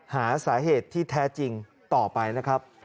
หาสาเหตุที่แท้จริงต่อไปนะครับ